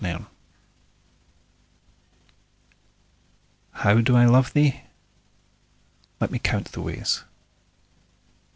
XLIII How do I love thee? Let me count the ways.